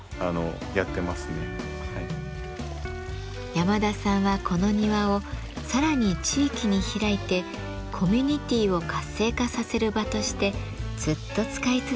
山田さんはこの庭をさらに地域に開いてコミュニティーを活性化させる場としてずっと使い続けてほしいと考えています。